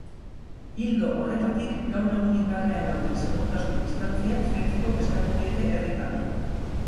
Ildo horretatik, gaur egun indarrean dauden segurtasun-distantziak zaintzeko eskatu diete herritarrei.